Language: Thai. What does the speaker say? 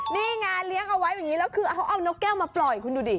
นี่ไงเลี้ยงเอาไว้แบบนี้แล้วคือเขาเอานกแก้วมาปล่อยคุณดูดิ